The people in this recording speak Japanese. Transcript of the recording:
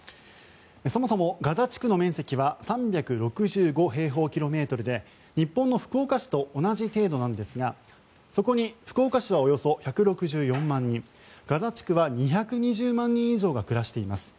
そもそもガザ地区の面積は３６５平方キロメートルで日本の福岡市と同じ程度なんですがそこに福岡市はおよそ１６４万人ガザ地区は２２０万人以上が暮らしています。